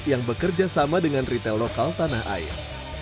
yang bekerja sama dengan retail lokal tanah air